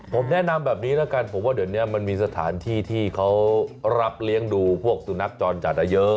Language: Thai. ผมแนะนำแบบนี้แล้วกันผมว่าเดี๋ยวนี้มันมีสถานที่ที่เขารับเลี้ยงดูพวกสุนัขจรจัดเยอะ